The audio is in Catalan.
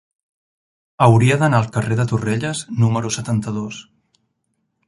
Hauria d'anar al carrer de Torrelles número setanta-dos.